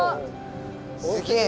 すげえ！